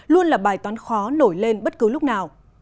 luôn là bài toán khó nổi lên bất cứ lúc nào